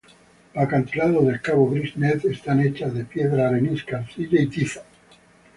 Los acantilados del cabo Gris Nez están hechos de piedra arenisca, arcilla y tiza.